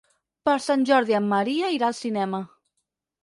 Per Sant Jordi en Maria irà al cinema.